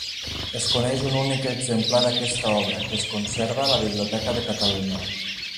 Es coneix un únic exemplar d'aquesta obra, que es conserva a la Biblioteca de Catalunya.